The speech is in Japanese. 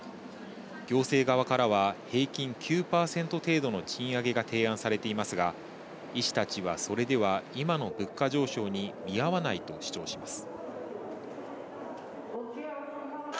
行政側からは平均９％程度の賃上げが提案されていますが、医師たちはそれでは今の物価上昇に見合わないと主張します。